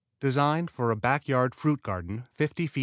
21 DESIGN FOR A BACK YARD FRUIT GARDEN 50 FT.